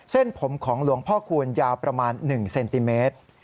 เส้นผมของหลวงพ่อคูณยาวประมาณ๑เซนติเมตร